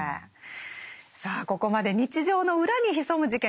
さあここまで日常の裏に潜む事件